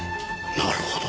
なるほど。